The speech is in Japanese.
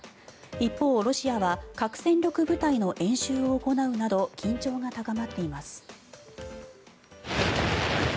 一方、ロシアは核戦力部隊の演習を行うなど緊張が高まっています。